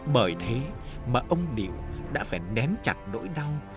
bởi thế mà ông điệu đã phải ném chặt nỗi đau